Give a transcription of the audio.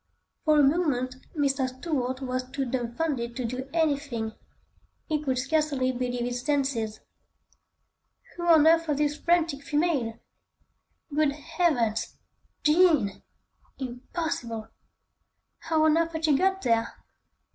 For a moment, Mr. Stuart was too dumbfounded to do anything; he could scarcely believe his senses. Who on earth was this frantic female? Good Heavens! Jean! Impossible! How on earth had she got there?